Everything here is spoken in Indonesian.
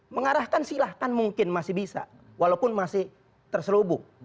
mengarahkan silahkan mungkin masih bisa walaupun masih terselubung